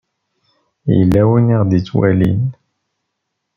Yella win i ɣ-d-ittwalin.